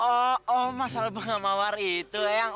oh oh oh masalahnya gak mawar itu eang